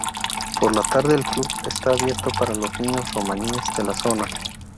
Por la tarde el club está abierto para los niños romaníes de la zona.